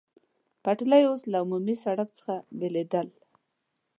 پټلۍ اوس له عمومي سړک څخه بېلېدل.